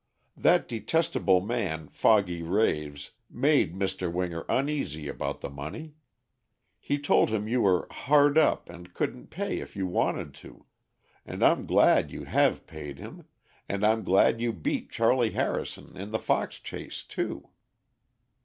That detestable man, Foggy Raves, made Mr. Winger uneasy about the money. He told him you were 'hard up' and couldn't pay if you wanted to; and I'm glad you have paid him, and I'm glad you beat Charley Harrison in the fox chase, too."